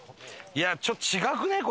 いやちょっと違くない？